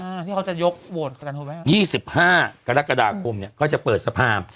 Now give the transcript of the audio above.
ที่เขาจะยกโหวตกันถูกไหมยี่สิบห้ากรกฎาคมเนี้ยก็จะเปิดสภา